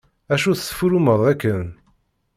Acu tesfurrumeḍ akken?